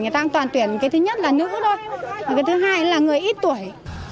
người ta toàn tuyển cái thứ nhất là nữ thôi cái thứ hai là người ít tuổi